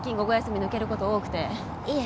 いえ。